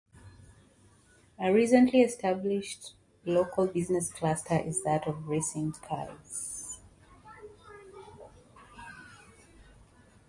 A recently established local business cluster is that of racing cars.